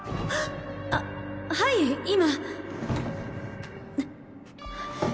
あはい今。